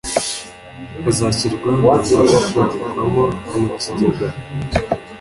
azashyirwa mugushorwamo mu kigega .